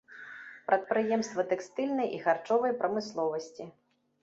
Прадпрыемствы тэкстыльнай і харчовай прамысловасці.